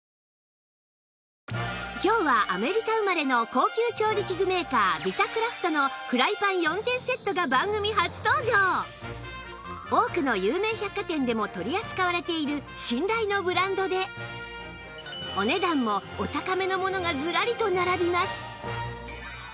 今日はアメリカ生まれの高級調理器具メーカー ＶｉｔａＣｒａｆｔ の多くの有名百貨店でも取り扱われている信頼のブランドでお値段もお高めのものがずらりと並びます